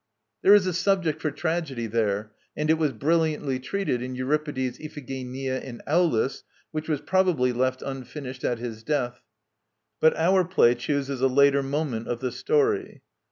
There is a subject for tragedy there; and it was brilliantly treated in Euripides' Iphigenia in Aulis, which was probably left unfinished at his death. But our play chooses a later moment of the story.